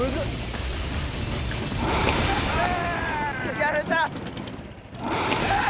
やられた。